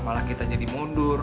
malah kita jadi mundur